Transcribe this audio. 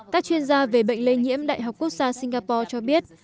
các chuyên gia về bệnh lây nhiễm đại học quốc gia singapore cho biết